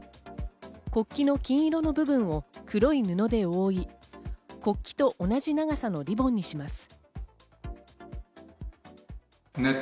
国旗の金色の部分を黒い布で覆い、国旗と同じ長さのリボンにします。